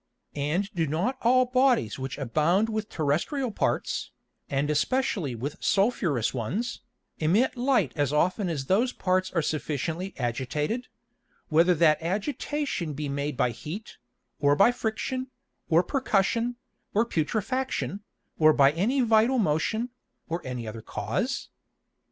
And do not all Bodies which abound with terrestrial parts, and especially with sulphureous ones, emit Light as often as those parts are sufficiently agitated; whether that agitation be made by Heat, or by Friction, or Percussion, or Putrefaction, or by any vital Motion, or any other Cause?